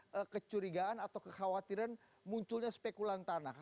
ada kecurigaan atau kekhawatiran munculnya spekulan tanah